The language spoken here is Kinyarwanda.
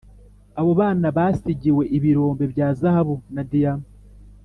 abo bana basigiwe ibirombe bya zahabu na diama